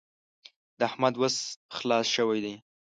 د احمد وس خلاص شوی دی.